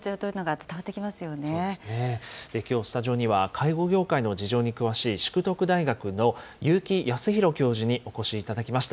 介護業界の事情に詳しい、淑徳大学の結城康博教授にお越しいただきました。